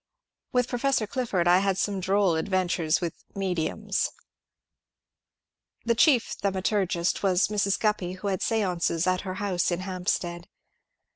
With Professor Clifford I had some droll adventures with ^^ mediums." The chief thaumaturgist was Mrs. Guppy, who had stances at her house in Hampstead.